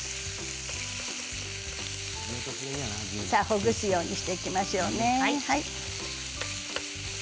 ほぐすようにしていきましょうね。